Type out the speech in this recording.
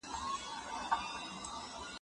لکه له تلې د وتلي اغزي زخم چې په بدو واوړي